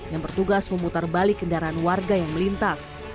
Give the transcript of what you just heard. yang bertugas memutar balik kendaraan warga yang melintas